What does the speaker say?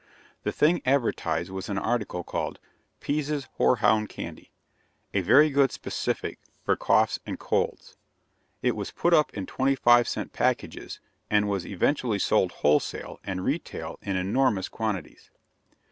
The thing advertised was an article called "Pease's Hoarhound Candy;" a very good specific for coughs and colds. It was put up in twenty five cent packages, and was eventually sold wholesale and retail in enormous quantities.